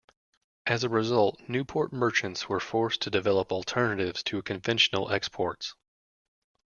As a result, Newport merchants were forced to develop alternatives to conventional exports.